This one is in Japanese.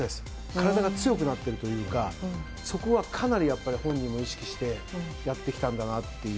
体が強くなっているというかそこはかなり本人も意識してやってきたんだなという。